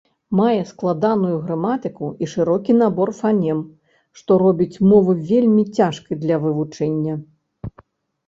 Мае складаную граматыку і шырокі набор фанем, што робіць мовы вельмі цяжкай для вывучэння.